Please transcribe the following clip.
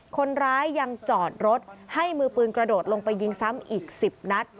คนร้ายยังจอดรถให้มือปืนกระโดดลงไปยิงซ้ำอีก๑๐นัด